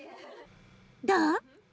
どう？